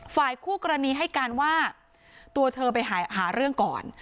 ฝ่ายคู่กรณีให้การว่าตัวเธอไปหาเรื่องก่อน